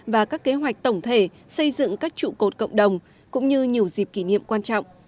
và các kế hoạch tổng thể xây dựng các trụ cột cộng đồng cũng như nhiều dịp kỷ niệm quan trọng